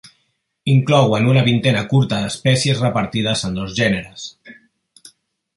Inclouen una vintena curta d'espècies repartides en dos gèneres.